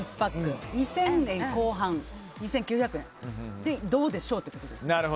２０００円後半２９００円でどうでしょうということです。